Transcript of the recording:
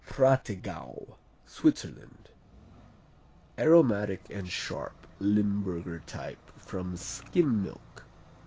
Prattigau Switzerland Aromatic and sharp, Limburger type, from skim milk.